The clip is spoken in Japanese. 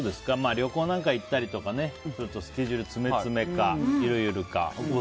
旅行なんか行ったりとかスケジュール詰め詰めかゆるゆるか。